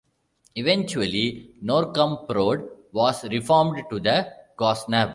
Eventually Narkomprod was reformed to the Gossnab.